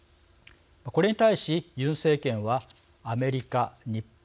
これに対しユン政権はアメリカ日本